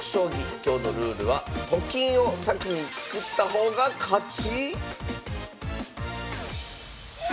今日のルールはと金を先に作った方が勝ち⁉